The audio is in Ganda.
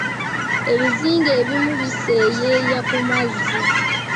Ebizinga ebimu biseeyeeya ku mazzi.